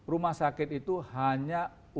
rumah sakit itu hanya untuk mereka yang kurang sehat